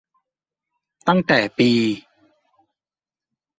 ตั้งแต่ปี